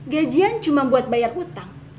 gajian cuma buat bayar utang